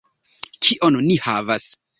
Kion ni havas?